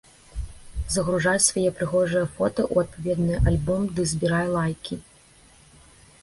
Загружай свае прыгожыя фота ў адпаведны альбом ды збірай лайкі.